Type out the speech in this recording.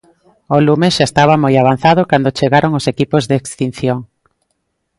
O lume xa estaba moi avanzado cando chegaron os equipos de extinción.